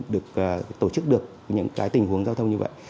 được tổ chức được những cái tình huống giao thông như vậy